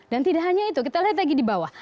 dan tidak hanya itu kita lihat lagi di bawah